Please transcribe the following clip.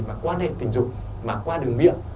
mà quan hệ tình dục mà qua đường miệng